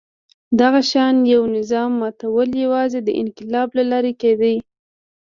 دغه شان یوه نظام ماتول یوازې د انقلاب له لارې کېده.